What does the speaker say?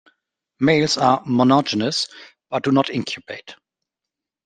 Males are monogynous but do not incubate.